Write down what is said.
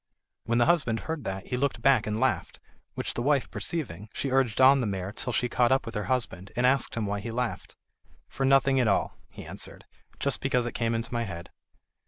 When the husband heard that he looked back and laughed, which the wife perceiving, she urged on the mare till she caught up with her husband, and asked him why he laughed. "For nothing at all," he answered; "just because it came into my head."